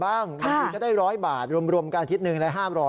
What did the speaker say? บางทีก็ได้๑๐๐บาทรวมกันอาทิตย์หนึ่งได้๕๐๐